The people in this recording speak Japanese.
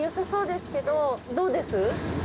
どうです？